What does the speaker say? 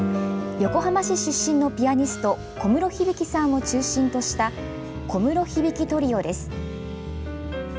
横浜市出身のピアニスト小室響さんを中心とした小室響トリオです。